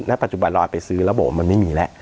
ปัจจุบันเราไปซื้อแล้วบอกว่ามันไม่มีแล้ว